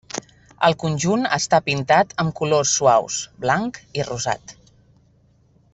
El conjunt està pintat amb colors suaus -blanc i rosat-.